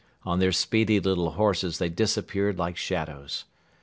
On their speedy little horses they disappeared like shadows.